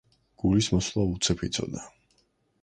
გულის მოსვლა უცებ იცოდა.